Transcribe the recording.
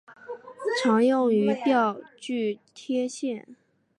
常用于票据贴现。